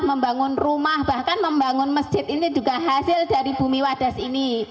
membangun rumah bahkan membangun masjid ini juga hasil dari bumi wadas ini